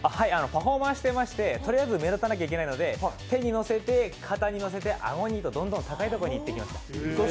パフォーマーしてまして、とりあえず目立たなきゃいけないのて手に載せて、肩に載せて、顎にと、どんどん高いところにいっていきました。